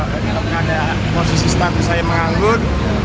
tidak ada posisi status saya yang menganggut